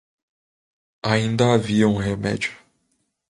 Ainda havia um remédio.